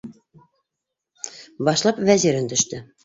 Башлап Вәзир өндәште: